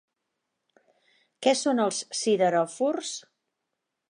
Què són els sideròfors?